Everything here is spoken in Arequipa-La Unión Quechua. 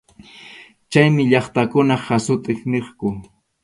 Chaymi llaqtakunap hasut’in niqku.